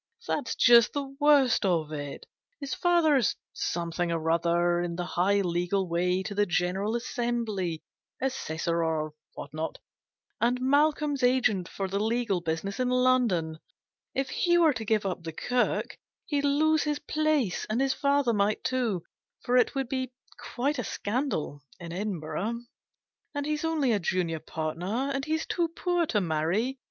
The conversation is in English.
That's just the worst of it. His father's something or other in the high legal way to the General Assembly Assessor, or what not and Malcolm's agent for the legal business in London. If he were to give up the Kirk, he'd lose his place, and his father might too, for it would be quite a scandal in Edinburgh. And he's only a junior partner, and he's too poor to marry.